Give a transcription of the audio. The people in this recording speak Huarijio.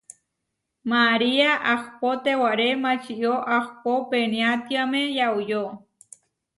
María ahpó tewaré mačió ahpó peniátiame yauyó.